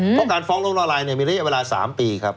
เพราะการฟ้องล้มละลายมีระยะเวลา๓ปีครับ